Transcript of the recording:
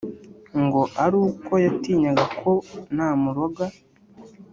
ngo ari uko yatinyaga ko namuroga”